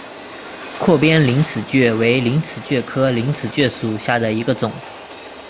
阔边陵齿蕨为陵齿蕨科陵齿蕨属下的一个种。